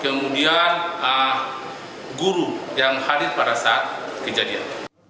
kemudian guru yang hadir pada saat kejadian